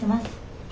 はい。